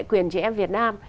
quyền trẻ em việt nam